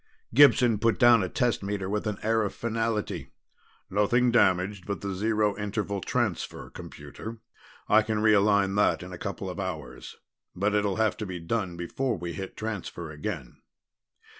Gibson put down a test meter with an air of finality. "Nothing damaged but the Zero Interval Transfer computer. I can realign that in a couple of hours, but it'll have to be done before we hit Transfer again."